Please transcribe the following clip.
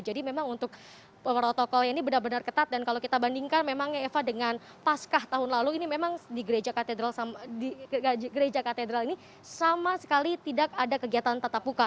jadi memang untuk protokol ini benar benar ketat dan kalau kita bandingkan memang eva dengan pasca tahun lalu ini memang di gereja katedral ini sama sekali tidak ada kegiatan tata puka